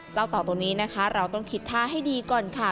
เต่าตัวนี้นะคะเราต้องคิดท่าให้ดีก่อนค่ะ